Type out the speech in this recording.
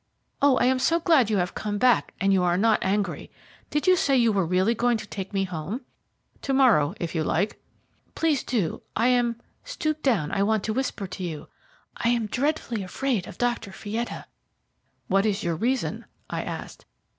Oh, I am so glad you have come back and you are not angry. Did you say you were really going to take me home?" "To morrow, if you like." "Please do. I am stoop down, I want to whisper to you I am dreadfully afraid of Dr. Fietta." "What is your reason?" I asked.